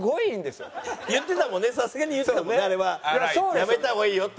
やめた方がいいよって。